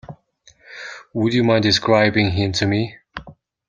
Would you mind describing him to me?